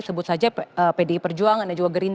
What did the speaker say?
sebut saja pdi perjuangan